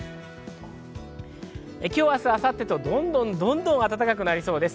今日、明日、明後日とどんどん、どんどん暖かくなりそうです。